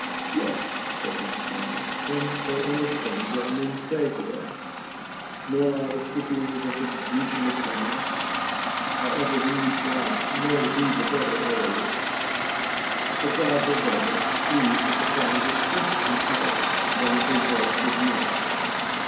Yes, quoth Ana charsis, and they understand what men say to them ; nor are the Scythians of the Grecian opinion (however these last may be the better orators), that the Gods are better pleased with the sounds of flutes and pipes than with the voice of men.